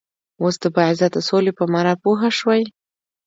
وس د باعزته سولی په معنا پوهه شوئ